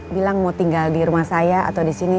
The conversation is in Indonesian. bilang mau tinggal di rumah saya atau disini